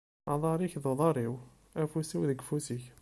Aḍar-ik d uḍar-iw afus-iw deg ufus-ik.